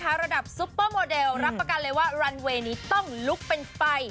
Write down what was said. เรารับประกันเลยว่ารันเวย์นี้ต้องลุกเป็นไฟ